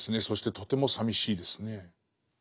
そしてとてもさみしいですね。